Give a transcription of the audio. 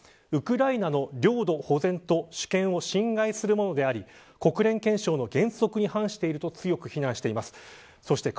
ウクライナの領土保全と主権を侵害するものであり国連憲章の原則に反していると強く非難しています。